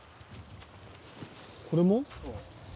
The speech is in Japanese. これも？